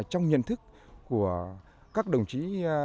trong nhận thức của các đồng chí